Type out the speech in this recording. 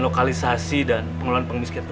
lokalisasi dan pengelolaan pengemiskinan